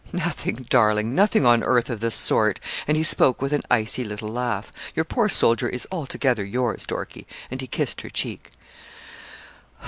'Nothing, darling nothing on earth of the sort;' and he spoke with an icy little laugh. 'Your poor soldier is altogether yours, Dorkie,' and he kissed her cheek.